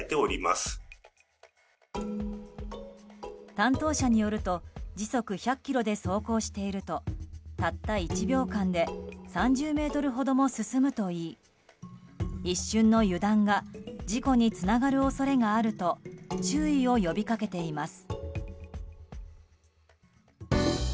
担当者によると時速１００キロで走行しているとたった１秒間で３０ｍほども進むといい一瞬の油断が事故につながる恐れがあると注意を呼び掛けています。